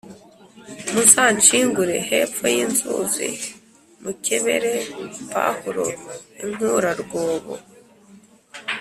muzanshingure hepfo y’inzuzi, mukebere Pahulo inkurarwobo